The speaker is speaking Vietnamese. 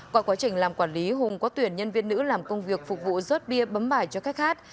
qua quá trình làm quản lý hùng có tuyển nhân viên nữ làm công việc phục vụ rớt bia bấm bài cho khách hát